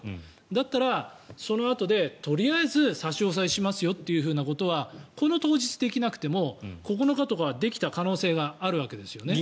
だったら、そのあとでとりあえず差し押さえしますよってことはこの当日、できなくても９日とかはできた可能性があるわけですよね。